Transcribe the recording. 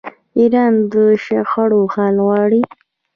ایران د شخړو حل غواړي.